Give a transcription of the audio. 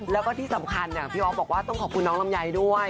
แล้วก็ที่สำคัญพี่อ๊อฟบอกว่าต้องขอบคุณน้องลำไยด้วย